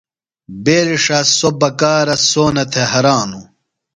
بیرݜہ سوۡ بکارہ سونہ تھےۡ ہرانوۡ۔